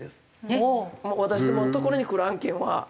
私どものところにくる案件は。